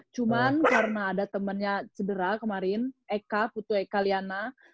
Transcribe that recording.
cuman karena ada temennya cedera kemarin eka putu eka liana